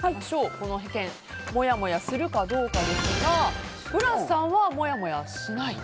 この件もやもやするかどうかですがブラスさんはもやもやしない。